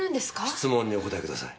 質問にお答えください。